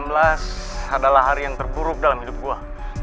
well tujuh belas september dua ribu enam belas adalah hari yang terburuk dalam hidup gua